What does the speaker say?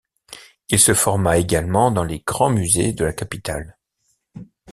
Il se forma également dans les grands musées de la capitale.